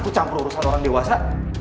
kucampur urusan orang dewasa